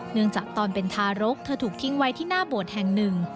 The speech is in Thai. เนื่องจากตอนเป็นทารกเธอถูกทิ้งไว้ที่หน้าโบสถ์แห่งหนึ่ง